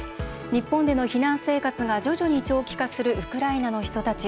日本での避難生活が徐々に長期化するウクライナの人たち。